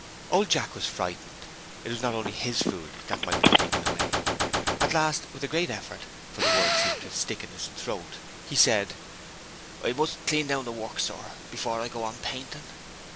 Old Jack was frightened it was not only HIS food that might be taken away. At last, with a great effort, for the words seemed to stick in his throat, he said: 'I must clean the work down, sir, before I go on painting.'